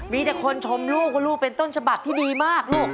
มีแต่คนชมลูกว่าลูกเป็นต้นฉบับที่ดีมากลูก